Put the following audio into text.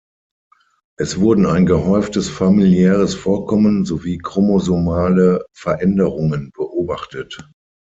Es wurden ein gehäuftes familiäres Vorkommen sowie chromosomale Veränderungen beobachtet.